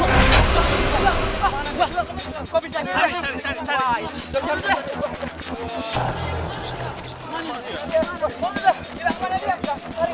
di mana dia cari